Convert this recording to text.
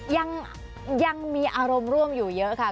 ยังยังมีอารมณ์ร่วมอยู่เยอะค่ะคุณผู้ชมคะ